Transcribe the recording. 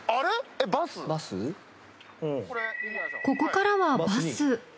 ここからはバス。